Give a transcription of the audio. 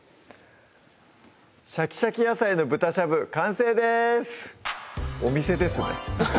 「シャキシャキ野菜の豚しゃぶ」完成ですお店ですね